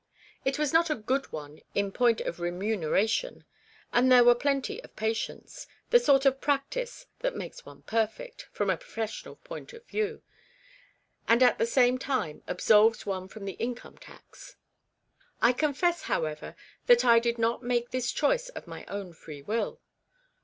It was not a good one in point of remunera tion, and there were plenty of patients; the sort of " practice " that makes one " perfect " from a professional point of view ; and at the same time absolves one from the income tax. I confess, however, that I did not make this choice of my own free will.